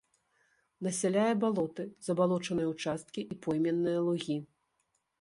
Насяляе балоты, забалочаныя ўчасткі і пойменныя лугі.